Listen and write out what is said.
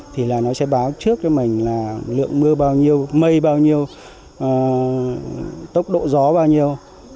thì nó sẽ báo trước cho mình lượng mưa bao nhiêu mây bao nhiêu tốc độ gió bao nhiêu